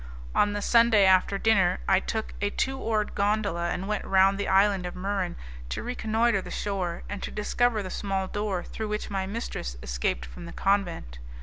On the Sunday, after dinner, I took a two oared gondola, and went round the island of Muran to reconnoitre the shore, and to discover the small door through which my mistress escaped from the convent.